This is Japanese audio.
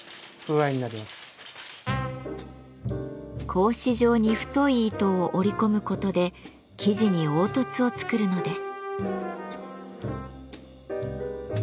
格子状に太い糸を織り込むことで生地に凹凸を作るのです。